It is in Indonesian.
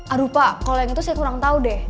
aduh pak kalo yang itu saya kurang tau deh